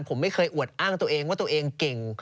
ผมไม่เคยอวดอ้างตัวเองว่าตัวเองเก่ง